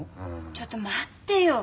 ちょっと待ってよ。